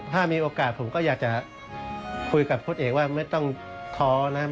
ถ้ามีโอกาสผมก็อยากจะคุยกับโค้ดเอกว่าไม่ต้องท้อนะครับ